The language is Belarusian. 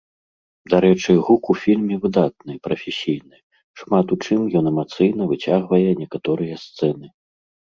Дарэчы, гук у фільме выдатны, прафесійны, шмат у чым ён эмацыйна выцягвае некаторыя сцэны.